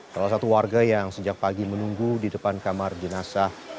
salah satu warga yang sejak pagi menunggu di depan kamar jenazah